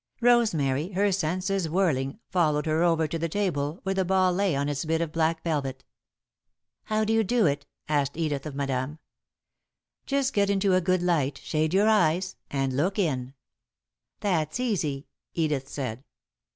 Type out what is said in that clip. Rosemary, her senses whirling, followed her over to the table, where the ball lay on its bit of black velvet. "How do you do it?" asked Edith, of Madame. "Just get into a good light, shade your eyes, and look in." "That's easy," Edith said.